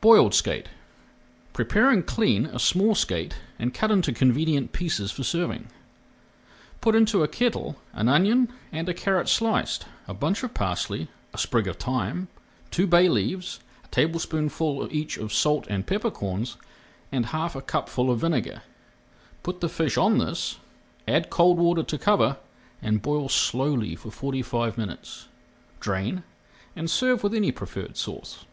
BOILED SKATE Prepare and clean a small skate and cut into convenient pieces for serving. Put into a kettle an onion and a carrot sliced, a bunch of parsley, a sprig of thyme, two bay leaves, a tablespoonful each of salt and pepper corns, and half a cupful of vinegar. Put the fish on this, add cold water to cover, and boil slowly for forty five minutes. Drain and serve with any preferred sauce.